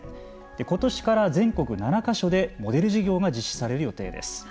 ことしから全国７か所でモデル事業が実施される予定です。